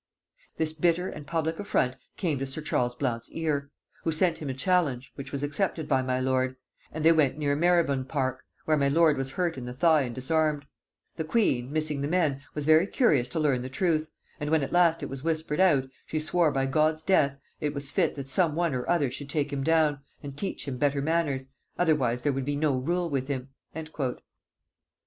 "This bitter and public affront came to sir Charles Blount's ear, who sent him a challenge, which was accepted by my lord; and they went near Marybonepark, where my lord was hurt in the thigh and disarmed: the queen, missing the men, was very curious to learn the truth; and when at last it was whispered out, she swore by God's death, it was fit that some one or other should take him down, and teach him better manners, otherwise there would be no rule with him." [Note 101: Fragmenta Regalia.